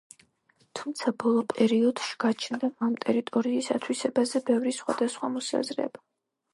თუმცა ბოლო პერიოდშ გაჩნდა ამ ტერიტორიის ათვისებაზე ბევრი სხვადასხვა მოსაზრება.